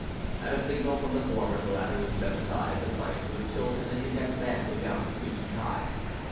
At a signal from the former the latter would step aside, the plank would tilt and the condemned man go down between two ties.